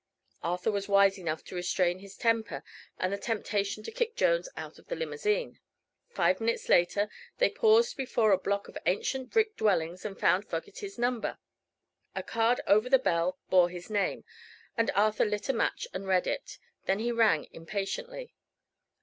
Arthur was wise enough to restrain his temper and the temptation to kick Jones out of the limousine. Five minutes later they paused before a block of ancient brick dwellings and found Fogerty's number. A card over the bell bore his name, and Arthur lit a match and read it. Then he rang impatiently.